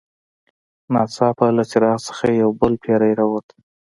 ناڅاپه له څراغ څخه یو بل پیری راووت.